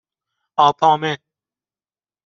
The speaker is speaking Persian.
آپامه